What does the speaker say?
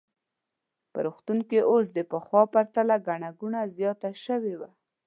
په روغتون کې اوس د پخوا په پرتله ګڼه ګوڼه زیاته شوې وه.